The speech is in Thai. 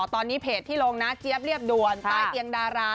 ตอนนี้เพจที่ลงนะเจี๊ยบเรียบด่วนใต้เตียงดารา